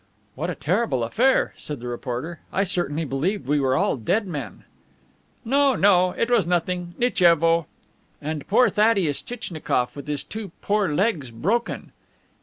"What a terrible affair," said the reporter, "I certainly believed we were all dead men." "No, no. It was nothing. Nitchevo!" "And poor Thaddeus Tchitchnikoff with his two poor legs broken!"